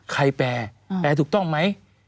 แปลแปลถูกต้องไหม